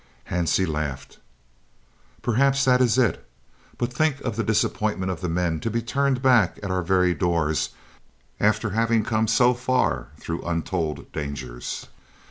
Hansie laughed. "Perhaps that is it! But think of the disappointment of the men to be turned back at our very doors after having come so far through untold dangers!